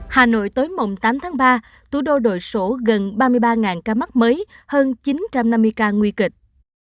hà nội tối mùng tám tháng ba thủ đô đổi số gần ba mươi ba ca mắc mới hơn chín trăm năm mươi ca nguy kịch